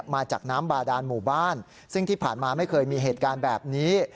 มาจากน้ำบาดานหมู่บ้านซึ่งที่ผ่านมาไม่เคยมีเหตุการณ์แบบนี้